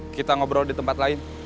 kita ngobrol di tempat lain